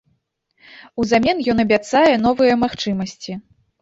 Узамен ён абяцае новыя магчымасці.